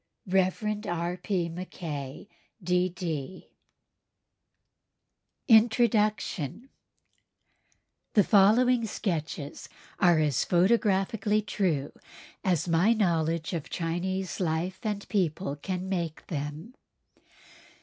(REV.) R. P. MACKAY, D.D. *INTRODUCTION* The following sketches are as photographically true as my knowledge of Chinese life and people can make them.